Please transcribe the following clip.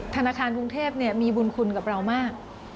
ธนาคารกรุงเทพมีบุญคุณกับเรามาก